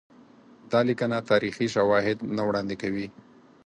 دا لیکنه تاریخي شواهد نه وړاندي کوي.